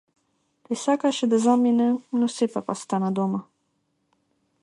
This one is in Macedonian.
Тој сакаше да замине но сепак остана дома.